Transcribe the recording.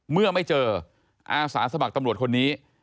เมื่อไม่เจออาสาสมัครตำรวจคนนี้